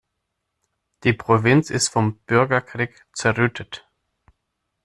Die Provinz ist vom Bürgerkrieg zerrüttet.